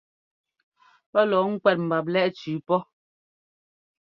Pɛ́ lɔ̌ɔ ŋkúɛ́t mbap lɛ́ʼ cʉʉ pɔ.